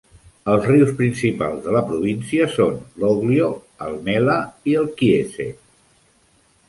Els rius principals de la província son l'Oglio, el Mella i el Chiese.